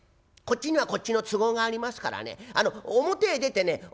こっちにはこっちの都合がありますからね表へ出てね